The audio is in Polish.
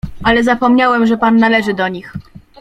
"Ale zapomniałem, że pan należy do nich."